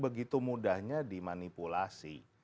begitu mudahnya dimanipulasi